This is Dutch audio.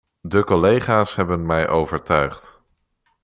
De collega's hebben mij overtuigd.